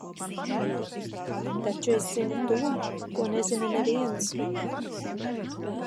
Taču es zinu to, ko nezina neviens.